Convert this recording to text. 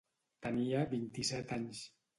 Tenia vint-i-set anys.